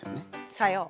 さよう。